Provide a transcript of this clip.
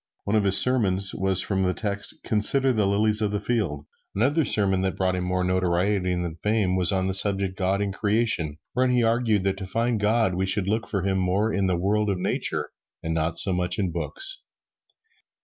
One of his sermons was from the text, "Consider the lilies of the field." Another sermon that brought him more notoriety than fame was on the subject, "God in Creation," wherein he argued that to find God we should look for Him more in the world of Nature and not so much in books.